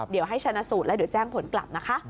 เดี๋ยวให้ชนะสูตรแล้วเดี๋ยวแจ้งผลกลับนะคะ